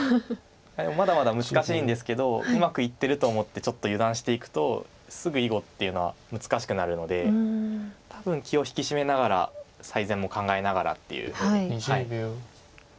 まだまだ難しいんですけどうまくいってると思ってちょっと油断していくとすぐ囲碁っていうのは難しくなるので多分気を引き締めながら最善も考えながらっていう。